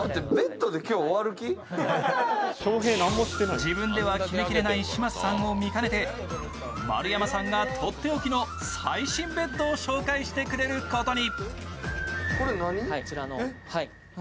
自分では決めきれない嶋佐さんを見かねて、丸山さんがとっておきの最新ベッドを紹介してくれることに。